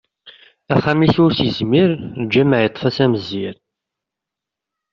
Axxam-is ur as-yezmir, lǧameɛ yeṭṭef-as amezzir!